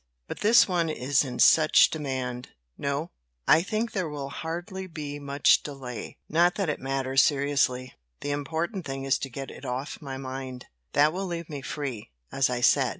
But this one is in such demand no, I think there will hardly be much delay. Not that it matters seriously the important thing is to get it off my mind; that will leave me free, as I said.